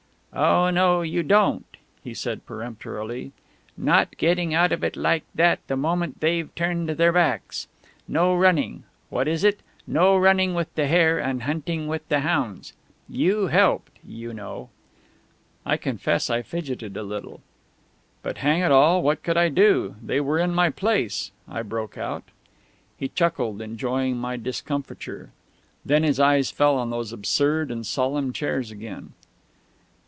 "Oh no, you don't!" he said peremptorily. "No getting out of it like that the moment they've turned their backs! No running what is it? no running with the hare and hunting with the hounds! You helped, you know!" I confess I fidgeted a little. "But hang it all, what could I do? They were in my place," I broke out. He chuckled, enjoying my discomfiture. Then his eyes fell on those absurd and solemn chairs again.